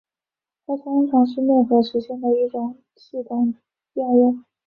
它通常是内核实现的一种系统调用。